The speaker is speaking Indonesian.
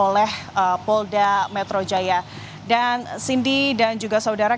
kita mendapat perdukan sejarah